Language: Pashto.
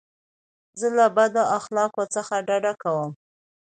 زه له بد اخلاقو څخه ډډه کوم.